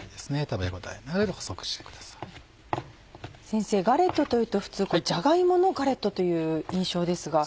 先生ガレットというと普通じゃが芋のガレットという印象ですが。